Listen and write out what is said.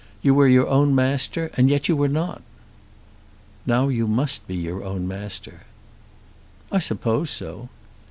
You were your own master and yet you were not." "Now you must be your own master." "I suppose so."